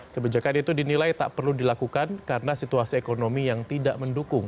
kebijakan itu dinilai tak perlu dilakukan karena situasi ekonomi yang tidak mendukung